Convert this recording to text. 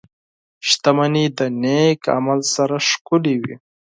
• شتمني د نېک عمل سره ښکلې وي.